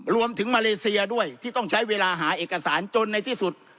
รวมถึงมาเลเซียด้วยที่ต้องใช้เวลาหาเอกสารจนในที่สุด